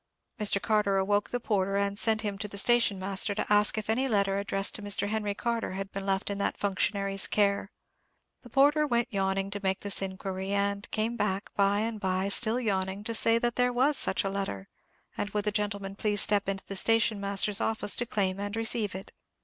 Mr. Carter awoke the porter, and sent him to the station master to ask if any letter addressed to Mr. Henry Carter had been left in that functionary's care. The porter went yawning to make this inquiry, and came back by and by, still yawning, to say that there was such a letter, and would the gentleman please step into the station master's office to claim and receive it.